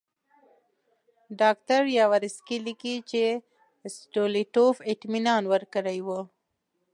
ډاکټر یاورسکي لیکي چې ستولیټوف اطمینان ورکړی وو.